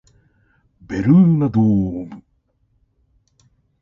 ベルーナドーム